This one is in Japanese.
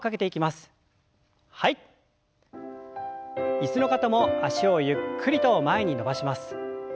椅子の方も脚をゆっくりと前に伸ばします。